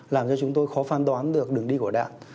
làm cho chúng tôi khó phán đoán được đường đi của đạn